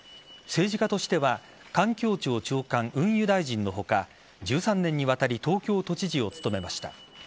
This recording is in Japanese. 政治家としては環境庁長官、運輸大臣の他１３年にわたり東京都知事を務めました。